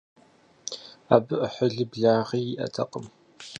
Абы Ӏыхьлыи благъи иӀэтэкъым.